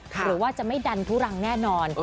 หรือว่าจะไม่ดันทุรังแน่นอน